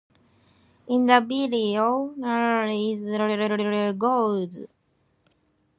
In the video, Reznor is a stalker who shows up wherever David Bowie goes.